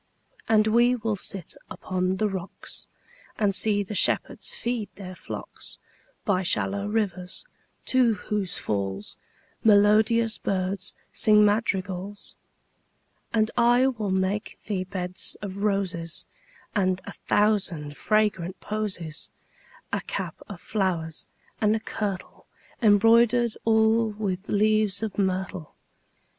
And we will sit upon the rocks, 5 And see the shepherds feed their flocks By shallow rivers, to whose falls Melodious birds sing madrigals. And I will make thee beds of roses And a thousand fragrant posies; 10 A cap of flowers, and a kirtle Embroider'd all with leaves of myrtle.